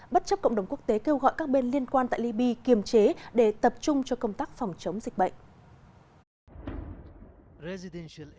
bất chấp cộng đồng quốc tế kêu gọi các bên liên quan tại libya kiềm chế để tập trung cho công tác phòng chống dịch bệnh